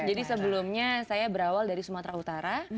jadi sebelumnya saya berawal dari sumatera utara